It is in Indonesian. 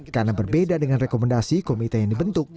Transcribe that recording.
karena berbeda dengan rekomendasi komite yang dibentuk